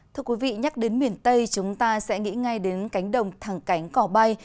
thưa quý vị nhắc đến miền tây chúng ta sẽ nghĩ ngay đến cánh đồng thẳng cánh cỏ bay